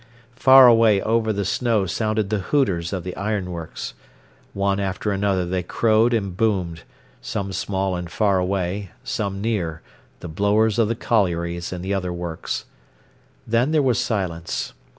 Far away over the snow sounded the hooters of the ironworks. One after another they crowed and boomed, some small and far away, some near, the blowers of the collieries and the other works. Then there was silence.